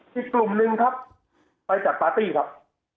อีกกลุ่มหนึ่งครับไปจัดปาร์ตี้ครับ